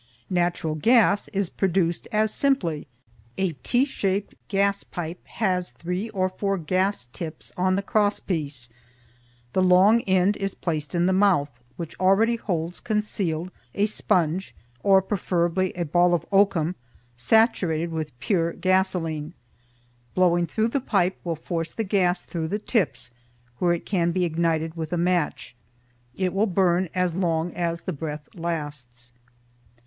Natural gas is produced as simply. A T shaped gas pipe has three or four gas tips on the cross piece. The long end is placed in the mouth, which already holds concealed a sponge, or preferably a ball of oakum, saturated with pure gasoline. Blowing through the pipe will force the gas through the tips, where it can be ignited with a match. It will burn as long as the breath lasts.